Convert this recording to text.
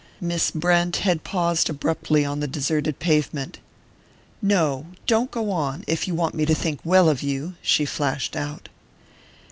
Miss Brent had paused abruptly on the deserted pavement. "No, don't go on if you want me to think well of you," she flashed out.